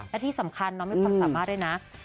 และที่สำคัญไม่ปล่อยสามมะด้วยน้ำ